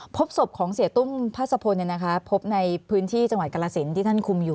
พบศพของเสียตุ้มพระสะพนธ์เนี่ยนะคะพบในพื้นที่จังหวัดกรสินทร์ที่ท่านคุมอยู่